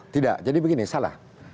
tidak jadi begini salah